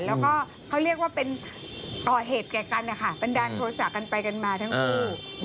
แล้วก็เขาเรียกว่าเป็นก่อเหตุแก่กันนะคะบันดาลโทษะกันไปกันมาทั้งคู่